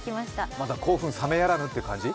まだ興奮覚めやらぬって感じ？